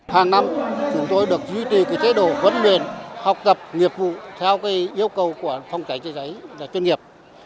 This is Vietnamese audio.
hàng năm chúng tôi được duy trì cái chế độ vận luyện học tập nghiệp vụ theo cái yêu cầu của phòng cháy chữa cháy là chuyên nghiệp